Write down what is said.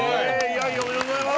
おめでとうございます！